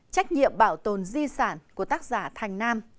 trách nhiệm bảo tồn di sản của tác giả thành nam